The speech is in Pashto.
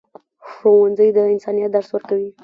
ښوونځی د انسانیت درس ورکوي.